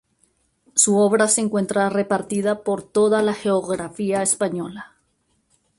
Su obra se encuentra repartida por toda la geografía española.